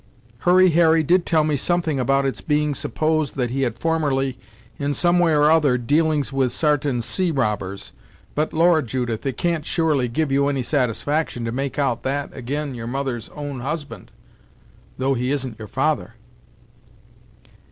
Hurry Harry did till me something about its being supposed that he had formerly, in some way or other, dealings with sartain sea robbers, but, Lord, Judith, it can't surely give you any satisfaction to make out that ag'in your mother's own husband, though he isn't your father."